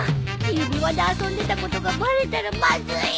指輪で遊んでたことがバレたらまずいよ。